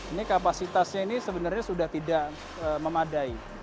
ini kapasitasnya ini sebenarnya sudah tidak memadai